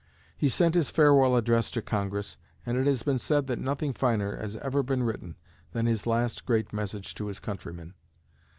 He sent his Farewell Address to Congress, and it has been said that nothing finer has ever been written than his last great message to his countrymen.